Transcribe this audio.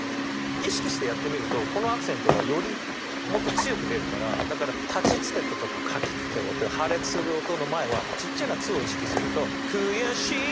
意識してやってみるとこのアクセントがよりもっと強く出るからだから「たちつてと」とか「かきくけこ」っていう破裂する音の前はちっちゃな「っ」を意識するとくぅやしい